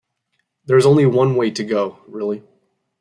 There is only one way to go, really.